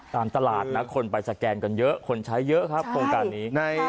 ตามตลาดนะคนไปสแกนกันเยอะคนใช้เยอะครับโครงการนี้